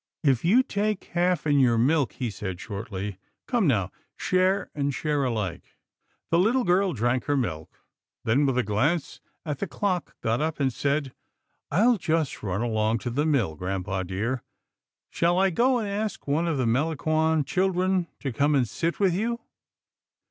"If you take half in your milk," he said shortly, " come now, share and share alike." The little girl drank her milk, then with a glance at the clock got up and said, "I'll just run along to the mill, grampa dear. Shall I go and ask one of the Melangon children to come and sit with you?